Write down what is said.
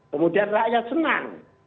kemudian rakyat senang